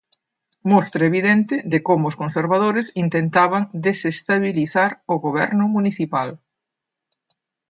Mostra evidente de como os conservadores intentaban desestabilizar o Goberno municipal.